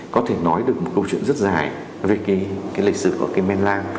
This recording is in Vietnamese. có thể nói được một câu chuyện rất dài về cái lịch sử của cái men lang